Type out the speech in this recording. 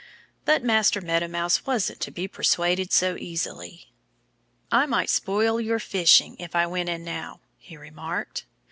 But Master Meadow Mouse wasn't to be persuaded so easily. "I might spoil your fishing if I went in now," he remarked.